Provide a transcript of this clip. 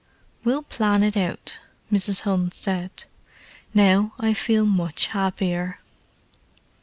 "We'll plan it out," Mrs. Hunt said. "Now I feel much happier."